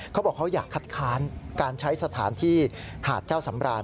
เขาบอกเขาอยากคัดค้านการใช้สถานที่หาดเจ้าสำราน